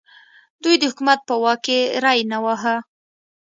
دوی د حکومت په واک کې ری نه واهه.